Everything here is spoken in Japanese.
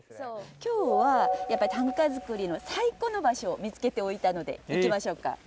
今日は短歌作りの最高の場所を見つけておいたので行きましょうか。